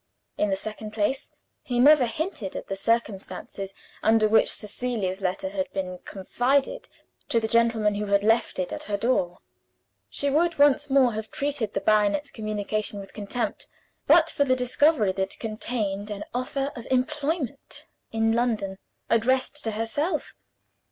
In the second place, he never hinted at the circumstances under which Cecilia's letter had been confided to the gentleman who had left it at her door. She would once more have treated the baronet's communication with contempt but for the discovery that it contained an offer of employment in London, addressed to herself.